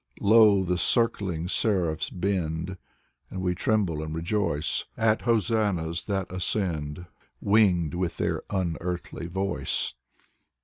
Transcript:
Low the circling seraphs bend, And we tremble and rejoice At hosannas that ascend, Winged with their unearthly voice.